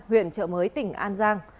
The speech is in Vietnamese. huyện trợ mới tỉnh an giang